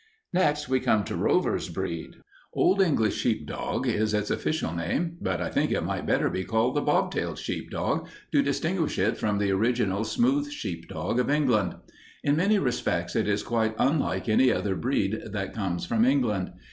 "Next we come to Rover's breed. Old English sheepdog is its official name, but I think it might better be called the bob tailed sheepdog to distinguish it from the original smooth sheepdog of England. In many respects it is quite unlike any other breed that comes from England.